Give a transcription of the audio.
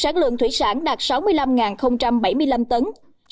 sản lượng thủy sản đạt sáu mươi năm hectare